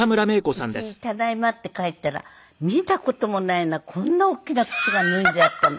家に「ただいま」って帰ったら見た事もないようなこんな大きな靴が脱いであったの。